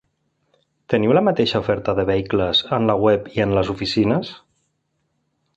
Teniu la mateixa oferta de vehicles en la web i en les oficines?